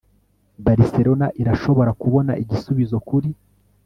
Baricelona irashobora kubona igisubizo kuri